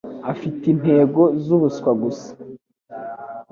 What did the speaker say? afite intego zubuswa gusa